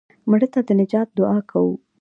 مړه ته د نجات دعا کوو